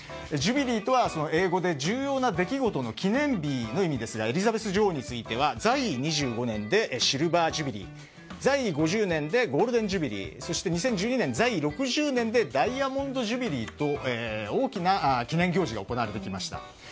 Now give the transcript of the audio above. ジュビリーとは英語で重要な出来事の記念日の意味ですがエリザベス女王については在位２５年でシルバージュビリー在位５０年でゴールデンジュビリーそして、２０１２年在位６０年でダイヤモンドジュビリーと大きな記念行事が行われてきました。